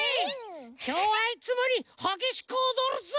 きょうはいつもよりはげしくおどるぞ！